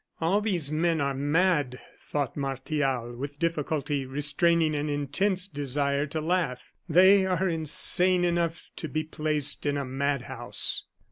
"All these men are mad," thought Martial, with difficulty restraining an intense desire to laugh; "they are insane enough to be placed in a mad house."